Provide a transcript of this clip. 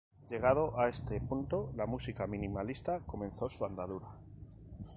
Llegado a este punto la música minimalista comenzó su andadura.